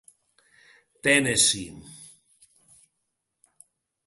Tennessee.